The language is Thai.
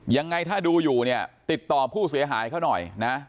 ยังไงถ้าดูอยู่เนี่ยติดต่อผู้เสียหายเขาหน่อยนะ